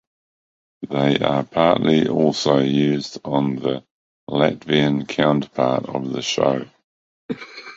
They are partly also used on the Latvian counterpart of the show.